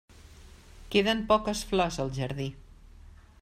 Queden poques flors al jardí.